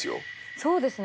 そうですね